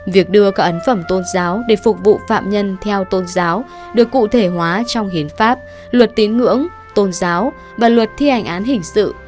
việc đưa các ấn phẩm tôn giáo để phục vụ phạm nhân theo tôn giáo được cụ thể hóa trong hiến pháp luật tín ngưỡng tôn giáo và luật thi hành án hình sự